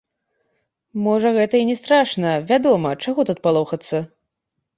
Можа, гэта і не страшна, вядома, чаго тут палохацца?